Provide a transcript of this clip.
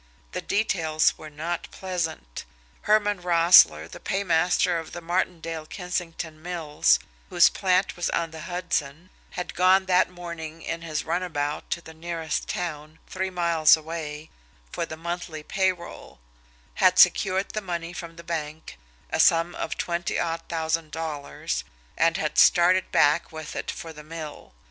The details were not pleasant. Herman Roessle, the paymaster of the Martindale Kensington Mills, whose plant was on the Hudson, had gone that morning in his runabout to the nearest town, three miles away, for the monthly pay roll; had secured the money from the bank, a sum of twenty odd thousand dollars; and had started back with it for the mill.